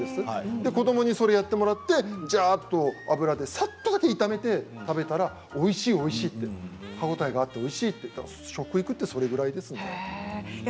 で、子どもにそれをやってもらってじゃあっと油で炒めたらおいしいおいしい歯応えがあっておいしいって食育はそれぐらいですね。